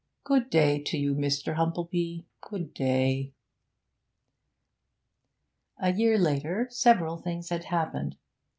Good day to you, Mr. Humplebee; good day.' A year later several things had happened.